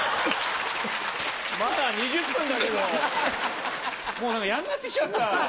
まだ２０分だけど、もうなんかやんなってきちゃった。